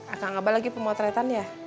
akang abah lagi pemotretan ya